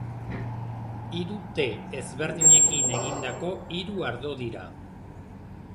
Hiru te ezberdinekin egindako hiru ardo dira.